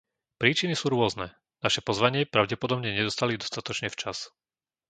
Príčiny sú rôzne. Naše pozvanie pravdepodobne nedostali dostatočne včas.